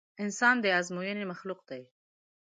انسان د ازموينې مخلوق دی.